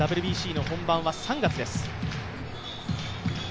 ＷＢＣの本番は３月です。